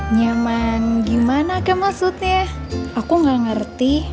nyaman gimana kek maksudnya aku gak ngerti